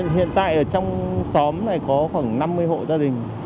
hiện tại ở trong xóm này có khoảng năm mươi hộ gia đình